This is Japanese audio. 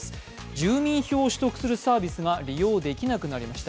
住民票を取得するサービスが利用できなくなりました。